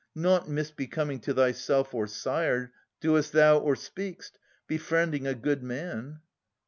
Nought misbecoming to thyself or sire Doest thou or speak'st, befriending a good man.